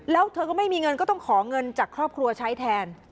แล้วเธอก็ไม่มีเงินก็ต้องขอเงินจากครอบครัวใช้แทน